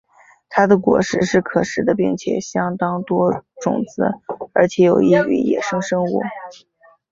它的果实是可食的并且相当多种子而且有益于野生生物。